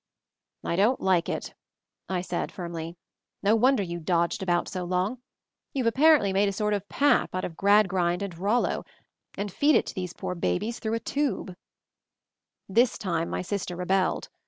"I don't like it P I said firmly. "No won der you dodged about so long. YouVe ap parently made a sort of pap out of Grad grind and Rollo, and feed it to these poor babies through a tube P This time my sister rebelled.